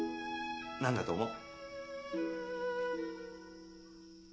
何だと思う？